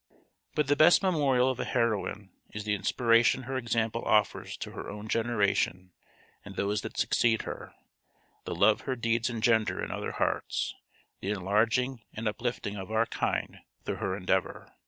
But the best memorial of a heroine is the inspiration her example offers to her own generation and those that succeed her, the love her deeds engender in other hearts, the enlarging and uplifting of our kind through her endeavour.